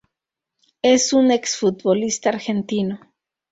Es un ex-futbolista argentino.